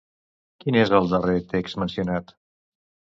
Quin és el darrer text mencionat?